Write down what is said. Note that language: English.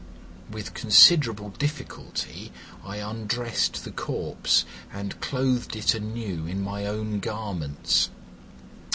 With considerable difficulty I undressed the corpse, and clothed it anew in my own garments.